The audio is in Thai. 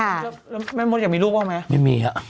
แล้วแม่มดอยากมีลูกบ้างไหมไม่มีฮะ